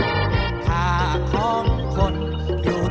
เพื่อพลังสะท้าของคนลูกทุก